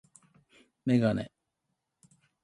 メガネ